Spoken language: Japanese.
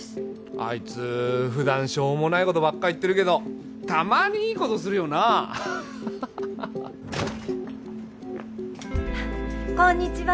あいつ普段しょうもないことばっか言ってるけどたまにいいことするよなこんにちは